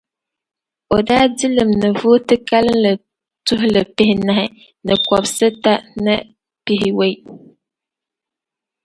O daa di li mi ni vooti kalinli tuhi pihinahi ni kɔbisita ni pihiwɔi.